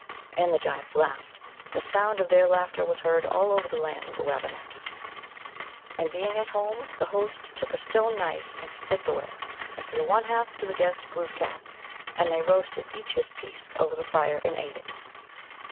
And the giants laughed ; the sound of their laughter was heard all over the land of the Wabanaki. And being at home, the host took a stone knife and split the whale, and threw one half to the guest Glooskap, and they roasted each his piece over the fire and ate it.